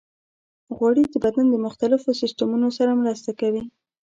غوړې د بدن د مختلفو سیستمونو سره مرسته کوي.